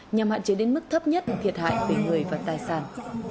nhằm hạn chế đến mức thấp nhất thiệt hại về người và tài sản